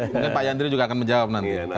mungkin pak yandri juga akan menjawab nanti ya